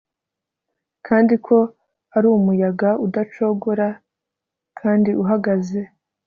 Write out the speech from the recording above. Kandi ko ari mumuyaga udacogora kandi uhagaze